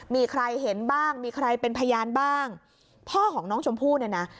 มีใครเห็นบ้างมีใครเป็นพยานบ้างพ่อของน้องชมพู่เนี่ยนะ